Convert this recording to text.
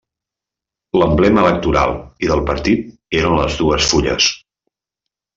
L'emblema electoral i del partit eren les dues fulles.